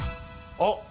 あっ！